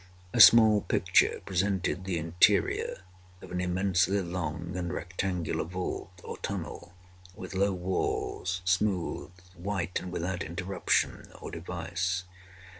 A small picture presented the interior of an immensely long and rectangular vault or tunnel, with low walls, smooth, white, and without interruption or device.